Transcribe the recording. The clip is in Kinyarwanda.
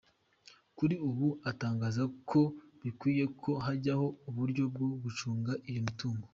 Kuri ubu aratangaza ko bikwiye ko hajyaho uburyo bwo gucunga iyo mitungo.